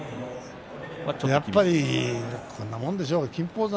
やっぱりこんなもんでしょう。